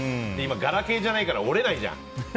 ガラケーじゃないから今、折れないじゃん。